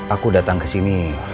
aku datang kesini